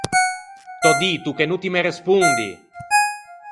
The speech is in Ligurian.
T’ò dito che no ti me respondi!